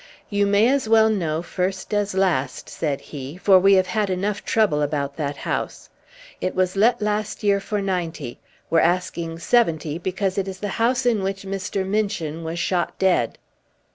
"You may as well know first as last," said he, "for we have had enough trouble about that house. It was let last year for ninety; we're asking seventy because it is the house in which Mr. Minchin was shot dead.